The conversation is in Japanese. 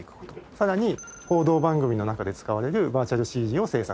さらに報道番組の中で使われるバーチャルＣＧを制作。